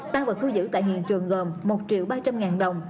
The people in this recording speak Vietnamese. ta vừa thu giữ tại hiện trường gồm một triệu ba trăm linh ngàn đồng